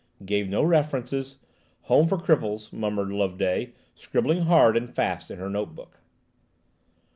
"Gave no references–home for cripples," murmured Loveday, scribbling hard and fast in her note book.